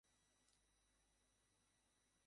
একজনের বাড়ি বরিশাল অন্য জনের বাড়ি নোয়াখালী।